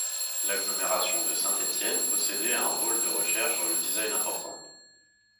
L'agglomération de Saint-Étienne possédé un pôle de recherche dans le design important.